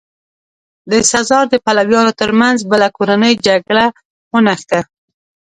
د سزار د پلویانو ترمنځ بله کورنۍ جګړه ونښته.